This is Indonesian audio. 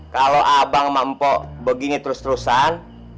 kalo abang mampo begini terus terusan